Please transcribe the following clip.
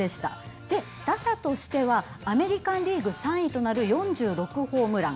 で打者としてはアメリカンリーグ３位となる４６ホームラン。